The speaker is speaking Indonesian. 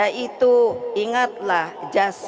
yaitu ingatlah jasminya